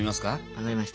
分かりました。